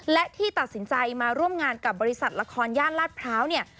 และที่ตัดสินใจมาร่วมงานกับบริษัทละครย่านลาดพร้าวเนี่ย